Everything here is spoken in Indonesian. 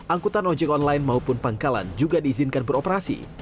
angkutan ojek online maupun pangkalan juga diizinkan beroperasi